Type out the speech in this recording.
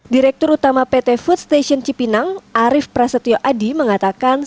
direktur utama pt food station cipinang arief prasetyo adi mengatakan